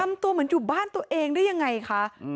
ทำตัวเหมือนอยู่บ้านตัวเองได้ยังไงคะ